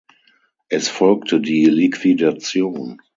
Es folgte die Liquidation.